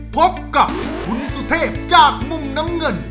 พบกับคุณสุเทพจากมุมน้ำเงิน